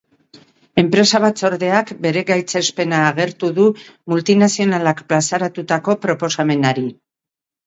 Enpresa-batzordeak bere gaitzespena agertu du multinazionalak plazaratutako proposamenari.